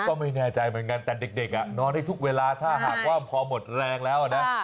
ก็ไม่แน่ใจเหมือนกันแต่เด็กนอนได้ทุกเวลาถ้าหากว่าพอหมดแรงแล้วนะ